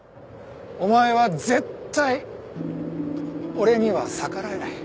お前は絶対俺には逆らえない。